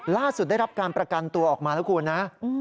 ได้รับการประกันตัวออกมาแล้วคุณนะ